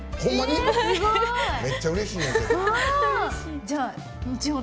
めっちゃうれしいねんけど。